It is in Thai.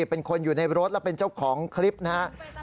เป็นคนอยู่ในรถและเป็นเจ้าของคลิปนะครับ